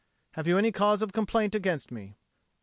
Have you any cause of complaint against me?"